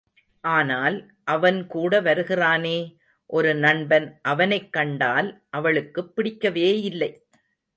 ஆனால், அவன் கூட வருகிறானே, ஒரு நண்பன் அவனைக் கண்டால் அவளுக்குப் பிடிக்கவேயில்லை.